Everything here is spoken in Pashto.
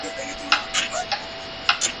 نور یې کښېښودل په منځ کي کبابونه..